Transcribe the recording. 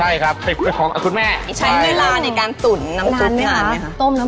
ใช่ครับใช้ของคุณแม่ใช้เวลาในการตุ๋นน้ำซุปนี่นานไหมครับ